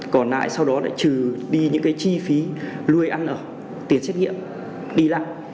còn lại sau đó lại trừ đi những cái chi phí lưu ý ăn ở tiền xét nghiệm đi lặng